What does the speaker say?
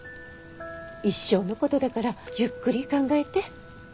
一生のことだからゆっくり考えて。